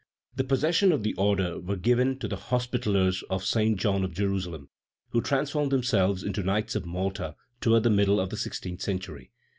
The possessions of the order were given to the Hospitallers of Saint John of Jerusalem, who transformed themselves into Knights of Malta toward the middle of the sixteenth century.